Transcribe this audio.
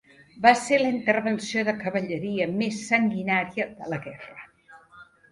Va ser la intervenció de cavalleria més sanguinària de la guerra.